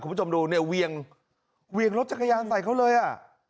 คุณผู้ชมดูเนี่ยเวียงเวียงรถจักรยานใส่เขาเลยอ่ะ